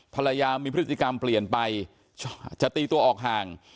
ภรรยามีพฤติกรรมเปลี่ยนไปจะตีตัวออกห่าง